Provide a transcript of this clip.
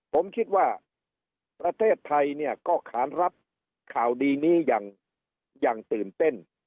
ผมคิดว่าประเทศไทยเนี่ยก็ขานรับข่าวดีนี้อย่างตื่นเต้น